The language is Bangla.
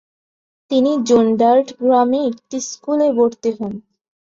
তিনি জুন্ডার্থ গ্রামের একটি স্কুলে ভর্তি হন।